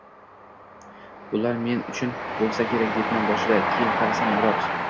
bular men uchun bo‘lsa kerak debman boshida, keyin qarasam Murod…